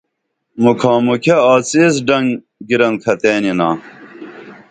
موکھا موکھیہ آڅی ایس ڈنگ گِرنکھتئین یِنا